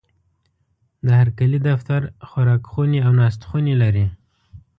د هرکلي دفتر، خوراکخونې او ناستخونې لري.